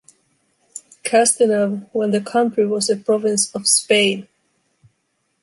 Castinove, when the country was a province of Spain.